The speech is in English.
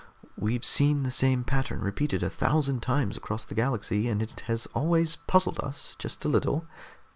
"We've seen the same pattern repeated a thousand times across the galaxy, and it has always puzzled us, just a little."